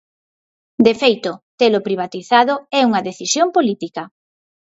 De feito, telo privatizado é unha decisión política.